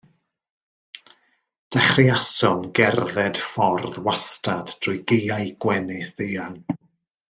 Dechreuasom gerdded ffordd wastad drwy gaeau gwenith eang.